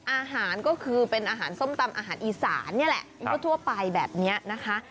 อาหารก็คือเป็นอาหารส้มตำอาหารอีสานนี่แหละทั่วไปแบบนี้นะคะ